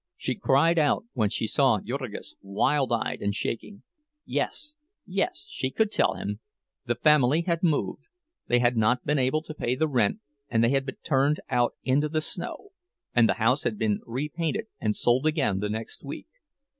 She cried out when she saw Jurgis, wild eyed and shaking. Yes, yes, she could tell him. The family had moved; they had not been able to pay the rent and they had been turned out into the snow, and the house had been repainted and sold again the next week.